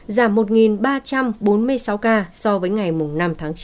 giảm một ba trăm bốn mươi sáu ca so với ngày năm tháng chín